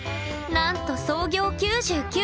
なんと創業９９年！